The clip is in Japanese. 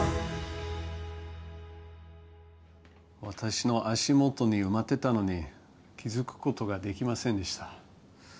私の足元に埋まってたのに気付くことができませんでした。